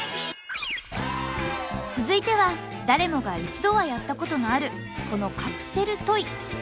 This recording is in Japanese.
続いては誰もが一度はやったことのあるこのカプセルトイ。